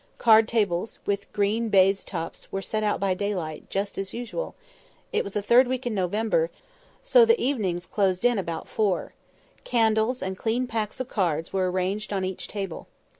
Card tables, with green baize tops, were set out by daylight, just as usual; it was the third week in November, so the evenings closed in about four. Candles, and clean packs of cards, were arranged on each table.